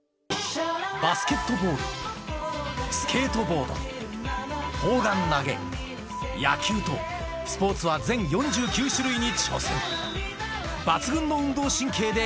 バスケットボール、スケートボード、砲丸投げ、野球と、スポーツは全４９種類に挑戦。